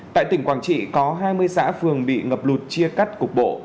tại tỉnh quảng trị có hai mươi xã phường bị ngập lụt chia cắt cục bộ